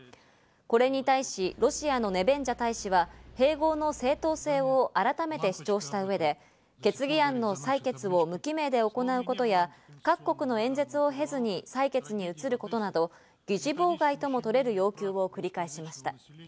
これに対し、ロシアのネベンジャ大使は併合の正当性を改めて主張した上で決議案の採決を無記名で行うことや各国の演説を経ずに採決に移ることなど議事妨害ともとれる要求を繰り返しました。